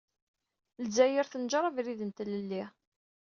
Lezzayer tenjeṛ abrid n tlelli.